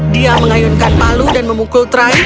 dia mengayunkan palu dan memukul train